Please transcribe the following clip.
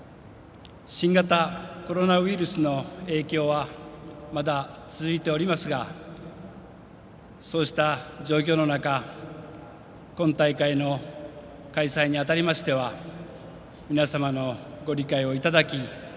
新型コロナウイルスの影響はまだ続いておりますがそうした状況の中今大会の開催にあたりましては皆様のご理解をいただき